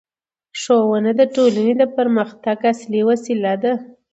ښوونه د ټولنې د پرمختګ اصلي وسیله ده